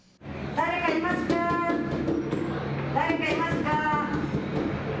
誰かいますか？